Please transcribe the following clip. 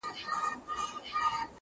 هغه وایي روژه به نور زما په اذان نسې,